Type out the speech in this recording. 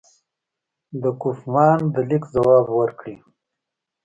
د کوفمان د لیک ځواب ورکړي.